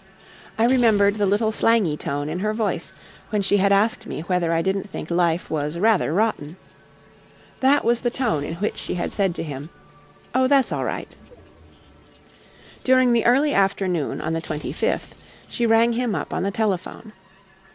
I remembered the little slangy tone in her voice when she had asked me whether I didn't think life was rather rotten. That was the tone in which she had said to him, "Oh, that's all right." During the early afternoon on the 25th, she rang him up on the telephone.